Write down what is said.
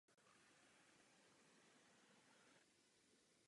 Na lyžích Fischer závodil za Duklu Liberec.